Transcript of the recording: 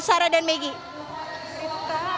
sarah dan maggie